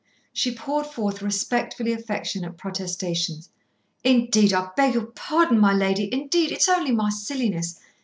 She poured forth respectfully affectionate protestations. "Indeed, I beg your pardon, my lady. Indeed, it's only my silliness!